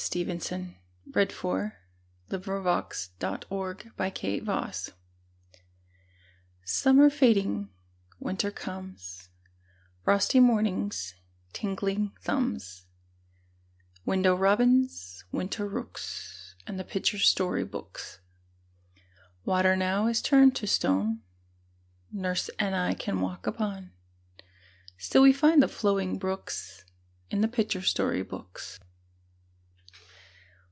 PICTURE BOOKS IN WINTER Summer fading, winter comes Frosty mornings, tingling thumbs, Window robins, winter rooks, And the picture story books. Water now is turned to stone Nurse and I can walk upon; Still we find the flowing brooks In the picture story books.